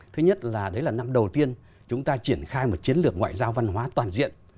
thứ nhất là đấy là năm đầu tiên chúng ta triển khai một chiến lược ngoại giao văn hóa toàn diện